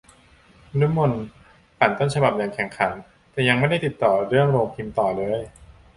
นฤมลปั่นต้นฉบับอย่างแข็งขัน แต่ยังไม่ได้ติดต่อเรื่องโรงพิมพ์ต่อเลย